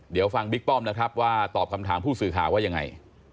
เดี๋ยวฟังบิ๊กป้อมนะครับว่าตอบคำถามผู้สื่อข่าวว่ายังไง